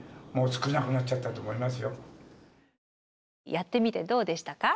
やってみてどうでしたか？